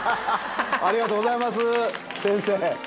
ありがとうございます先生。